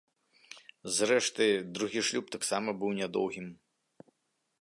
Зрэшты, другі шлюб таксама быў нядоўгім.